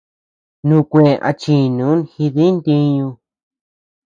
Nukue achinu jidi ntiñu.